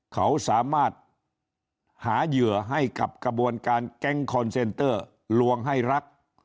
เขาสามารถหาเหยื่อให้กับกระบวนการแก๊งคอนเซนเตอร์ลวงให้รัก